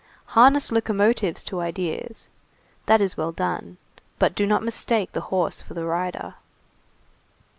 Harness locomotives to ideas,—that is well done; but do not mistake the horse for the rider.